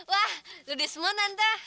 wah ludes semua tante